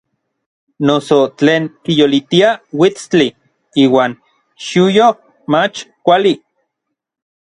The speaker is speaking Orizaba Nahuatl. Noso tlen kiyolitia uitstli iuan xiuyoj mach kuali.